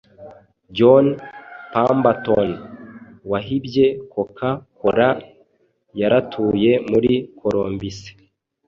John pamberton wahibye coca cola yaratuye muri colombise